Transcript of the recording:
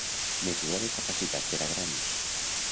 Mesura de capacitat per a grans.